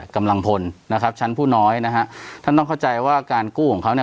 กำลังพลนะครับชั้นผู้น้อยนะฮะท่านต้องเข้าใจว่าการกู้ของเขาเนี่ย